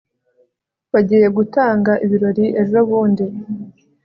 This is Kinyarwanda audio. bagiye gutanga ibirori ejobundi